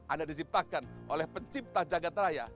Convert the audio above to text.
anda diciptakan oleh pencipta jagad raya